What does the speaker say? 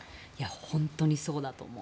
本当にそうだと思う。